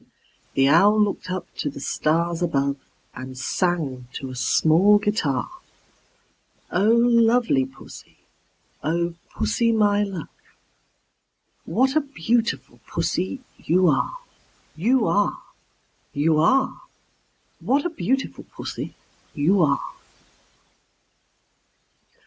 The Owl looked up to the stars above, And sang to a small guitar, "Oh, lovely Pussy, oh, Pussy, my love, What a beautiful Pussy you are, You are, You are! What a beautiful Pussy you are!"